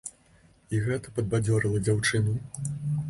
І гэта падбадзёрыла дзяўчыну.